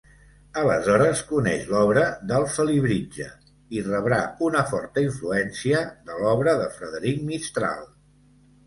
Aleshores coneix l'obra del Felibritge i rebrà una forta influència de l'obra de Frederic Mistral.